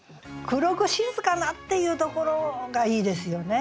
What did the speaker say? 「黒く静かな」っていうところがいいですよね。